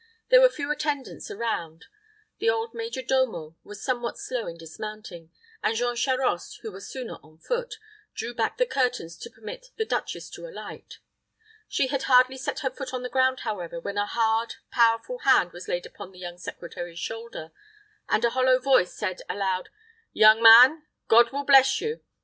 There were few attendants around; the old major domo was somewhat slow in dismounting, and Jean Charost, who was sooner on foot, drew back the curtains to permit the duchess to alight. She had hardly set her foot to the ground, however, when a hard, powerful hand was laid upon the young secretary's shoulder, and a hollow voice said, aloud, "Young man, God will bless you.